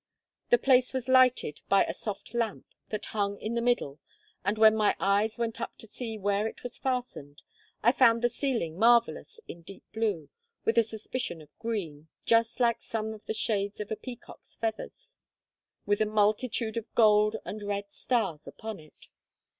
The place was lighted by a soft lamp that hung in the middle; and when my eyes went up to see where it was fastened, I found the ceiling marvellous in deep blue, with a suspicion of green, just like some of the shades of a peacock's feathers, with a multitude of gold and red stars upon it.